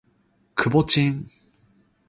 天柱、天心、天禽），居神盤之八神